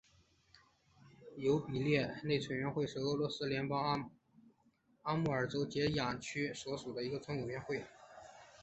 尤比列伊内村委员会是俄罗斯联邦阿穆尔州结雅区所属的一个村委员会。